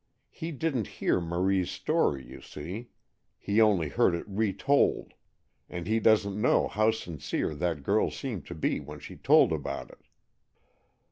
He didn't hear Marie's story, you see,—he only heard it retold, and he doesn't know how sincere that girl seemed to be when she told about it."